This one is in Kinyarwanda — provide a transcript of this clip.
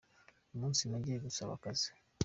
Uyu munsi nagiye gusaba akazi.